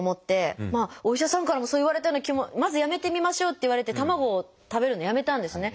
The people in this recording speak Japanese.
お医者さんからもそう言われたような気もまずやめてみましょうって言われて卵を食べるのをやめたんですね。